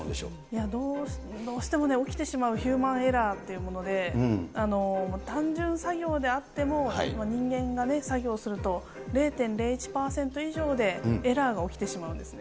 いや、どうしてもね、起きてしまうヒューマンエラーというもので、単純作業であっても、人間がね、作業すると、０．０１％以上でエラーが起きてしまうんですね。